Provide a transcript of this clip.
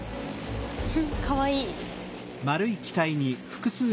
かわいい。